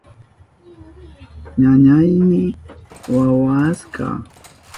Ñañayni wiwawashka.